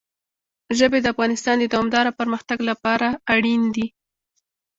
ژبې د افغانستان د دوامداره پرمختګ لپاره اړین دي.